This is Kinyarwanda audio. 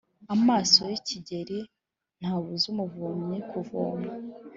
Amaso y’igikeri ntabuza umuvomyi kuvoma.